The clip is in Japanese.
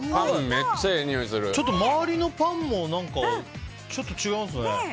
ちょっと周りのパンもちょっと違いますね。